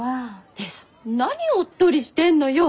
姉さん何をおっとりしてんのよ！